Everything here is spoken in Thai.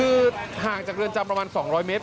คือห่างจากเรือนจำประมาณ๒๐๐เมตร